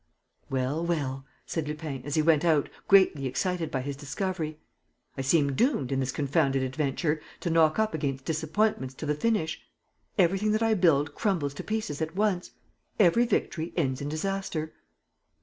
"Well, well," said Lupin, as he went out, greatly excited by his discovery, "I seem doomed, in this confounded adventure, to knock up against disappointments to the finish. Everything that I build crumbles to pieces at once. Every victory ends in disaster."